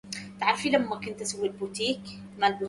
هل تعلم من اشترى لوحتك؟